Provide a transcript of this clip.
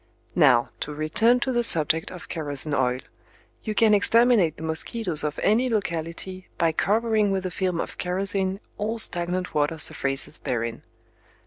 Now, to return to the subject of kerosene oil, you can exterminate the mosquitoes of any locality by covering with a film of kerosene all stagnant water surfaces therein.